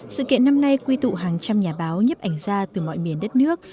sự kiện năm nay quy tụ hàng trăm nhà báo nhấp ảnh ra từ mọi miền đất nước